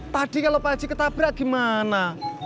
tadi kalau pagi ketabrak gimana